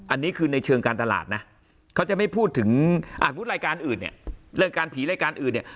อันนี้คือในเชิงการตลาดนะเขาจะไม่พูดถึงรายการอื่นเนี่ยรายการผีรายการอื่นเนี่ย